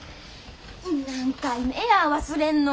何回目や忘れんの。